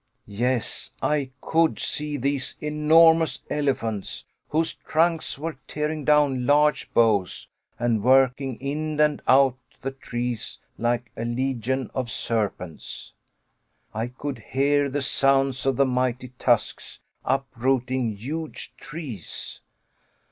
Yes, I could see these enormous elephants, whose trunks were tearing down large boughs, and working in and out the trees like a legion of serpents. I could hear the sounds of the mighty tusks uprooting huge trees!